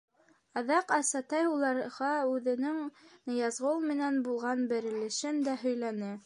— Аҙаҡ Асатай уларға үҙенең Ныязғол менән булған бәрелешен дә һөйләне.